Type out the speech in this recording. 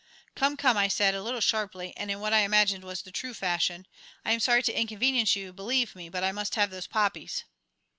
"Come, come," I said, a little sharply and in what I imagined was the true fashion; "I am sorry to inconvenience you, believe me, but I must have those poppies."